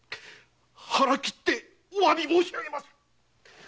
腹切ってお詫び申しあげます！